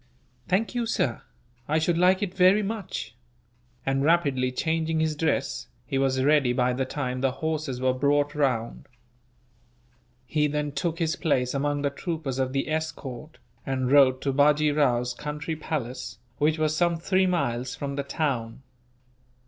"Thank you, sir; I should like it very much;" and, rapidly changing his dress, he was ready by the time the horses were brought round. He then took his place among the troopers of the escort, and rode to Bajee Rao's country palace, which was some three miles from the town.